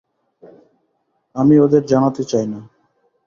আমি ওদের জানাতে চাই না।